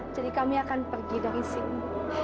jadi kami akan pergi dari sini